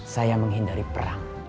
saya menghindari perang